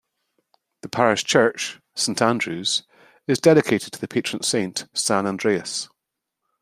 The parish church, Saint Andrew's, is dedicated to the patron saint, San Andreas.